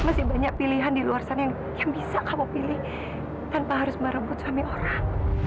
masih banyak pilihan di luar sana yang bisa kamu pilih tanpa harus merebut suami orang